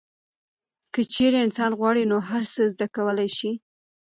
که چیرې انسان غواړي نو هر څه زده کولی شي.